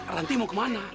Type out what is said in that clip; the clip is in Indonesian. ranti mau kemana